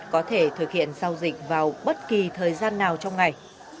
có thể thực hiện giao dịch vào bất kỳ thời gian nào trong ngày